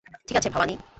ঠিক আছে, ভবানী।